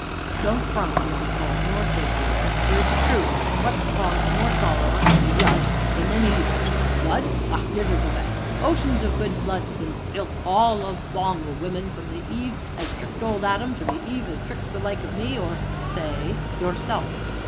Don't frown, young cove, nor shake your 'ead, for it's true; wot's caused more sorrer an' blood than them Eves? Blood? ah! rivers of it! Oceans of good blood's been spilt all along o' women, from the Eve as tricked old Adam to the Eve as tricks the like o' me, or say yourself."